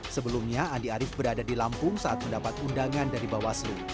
sebelumnya andi arief berada di lampung saat mendapat undangan dari bawaslu